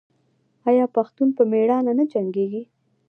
آیا پښتون په میړانه نه جنګیږي؟